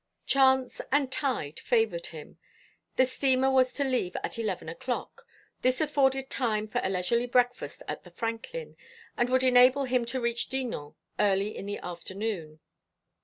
Chance and tide favoured him. The steamer was to leave at eleven o'clock. This afforded time for a leisurely breakfast at the Franklin, and would enable him to reach Dinan early in the afternoon.